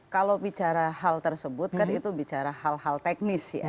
kalau bicara hal tersebut kan itu bicara hal hal teknis ya